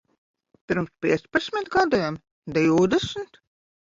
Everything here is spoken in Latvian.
Pirms piecpadsmit gadiem? Divdesmit?